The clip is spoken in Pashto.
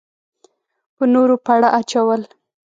په نورو پړه اچول.